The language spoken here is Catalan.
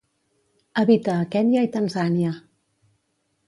Habita a Kenya i Tanzània.